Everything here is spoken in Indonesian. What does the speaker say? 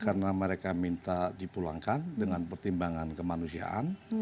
karena mereka minta dipulangkan dengan pertimbangan kemanusiaan